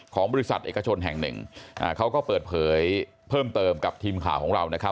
ของบริษัทเอกชนแห่งหนึ่งเขาก็เปิดเผยเพิ่มเติมกับทีมข่าวของเรานะครับ